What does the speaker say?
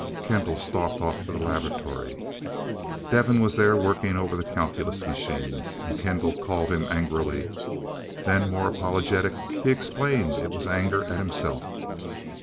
Kendall stalked off to the laboratory. Devin was there working over the calculus machines, and Kendall called him angrily. Then more apologetic, he explained it was anger at himself.